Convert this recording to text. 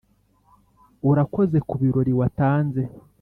urakoze kubirori watanze